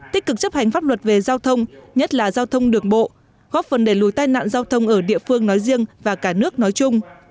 tích cực chấp hành pháp luật về giao thông nhất là giao thông đường bộ góp phần để lùi tai nạn giao thông ở địa phương nói riêng và cả nước nói chung